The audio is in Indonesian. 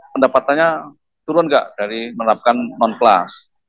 pendapatannya turun nggak dari menerapkan non kelas